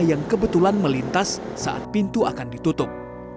yang kebetulan melintas saat pintu akan ditutup